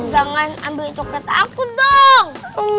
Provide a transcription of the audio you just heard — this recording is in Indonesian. jangan ambil coklat aku dong